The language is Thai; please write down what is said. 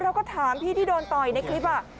เราก็ถามพี่ที่โดนต่อยในคลิป